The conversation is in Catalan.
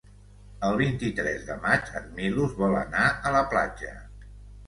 El vint-i-tres de maig en Milos vol anar a la platja.